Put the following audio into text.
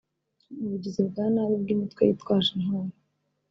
ubugizi bwa nabi bw’imitwe yitwaje intwaro